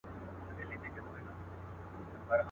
لا یې ساړه دي د برګونو سیوري.